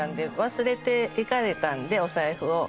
忘れていかれたんでお財布を。